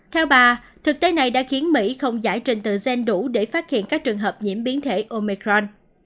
theo bà thực tế này đã khiến mỹ không giải trình tự gen đủ để phát hiện các trường hợp nhiễm biến thể omicron